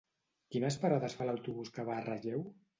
Quines parades fa l'autobús que va a Relleu?